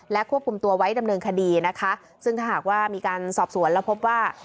ควบคุมตัวไว้ดำเนินคดีนะคะซึ่งถ้าหากว่ามีการสอบสวนแล้วพบว่า